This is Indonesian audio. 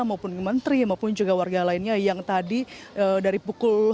maupun menteri maupun juga warga lainnya yang tadi dari pukul